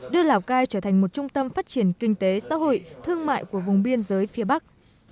đưa lào cai trở thành một trung tâm phát triển kinh tế xã hội thương mại của vùng biên giới phía bắc